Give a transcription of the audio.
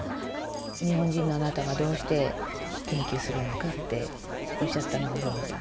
「日本人のあなたがどうして研究するのか？」っておっしゃったのはプオンさん？